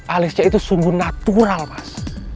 alisnya itu sungguh natural mas